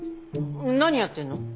何やってるの？